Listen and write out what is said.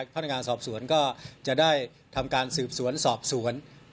พนักงานสอบสวนก็จะได้ทำการสืบสวนสอบสวน